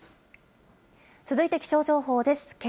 続いて気象情報です。